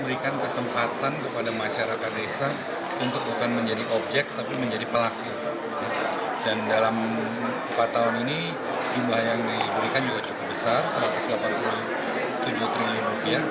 dan dalam empat tahun ini jumlah yang diberikan juga cukup besar satu ratus delapan puluh tujuh triliun rupiah